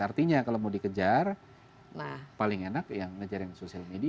artinya kalau mau dikejar paling enak yang ngejar yang social media